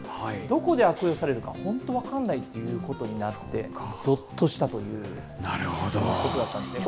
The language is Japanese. どこで悪用されるか、本当、分からないということになって、ぞっとしたということなんですね。